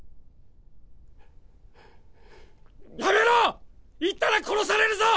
やめろ言ったら殺されるぞ！